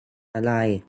อะไร !